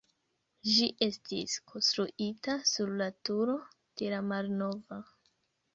Ĝi estis konstruita sur la turo de la malnova.